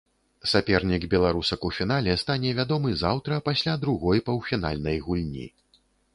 Сапернік беларусак у фінале стане вядомы заўтра пасля другой паўфінальнай гульні.